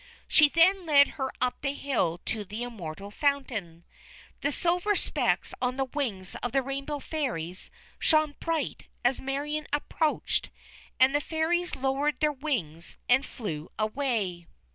She then led her up the hill to the Immortal Fountain. The silver specks on the wings of the Rainbow Fairies shone bright as Marion approached, and the Fairies lowered their wings and flew away.